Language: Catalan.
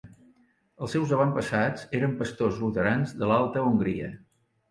Els seus avantpassats eren pastors luterans de l'alta Hongria.